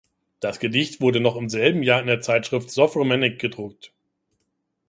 Das Gedicht wurde noch im selben Jahr in der Zeitschrift "Sowremennik" gedruckt.